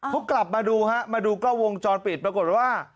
เขากลับมาดูฮะมาดูกล้องวงจรปิดปรากฏว่า